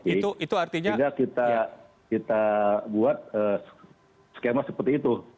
sehingga kita buat skema seperti itu